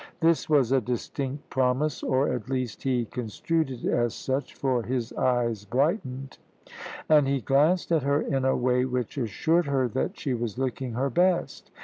This was a distinct promise, or at least he construed it as such, for his eyes brightened, and he glanced at her in a way which assured her that she was looking her best.